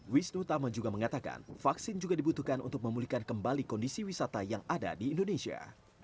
wisnu tama juga mengatakan vaksin juga dibutuhkan untuk memulihkan kembali kondisi wisata yang ada di indonesia